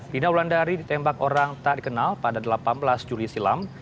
dina wulandari ditembak orang tak dikenal pada delapan belas juli silam